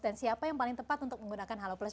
dan siapa yang paling tepat untuk menggunakan halo plus